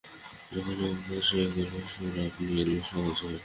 যখন অভ্যেস হয়ে গেল, সুর আপনি এল সহজ হয়ে।